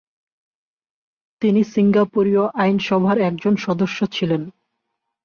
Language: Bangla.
তিনি সিঙ্গাপুরীয় আইনসভার একজন সদস্য ছিলেন।